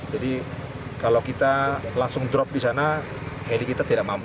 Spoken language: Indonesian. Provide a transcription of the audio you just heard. jadi kalau kita langsung drop di sana heli kita tidak mampu